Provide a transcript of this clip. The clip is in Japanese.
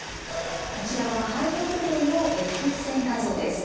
こちらは肺の部分のエックス線画像です。